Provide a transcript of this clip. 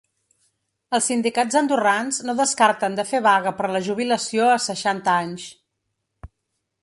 Els sindicats andorrans no descarten de fer vaga per la jubilació a seixanta anys.